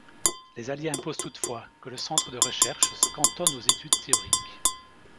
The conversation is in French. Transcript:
Les alliés imposent toutefois que le centre de recherche se cantonne aux études théoriques.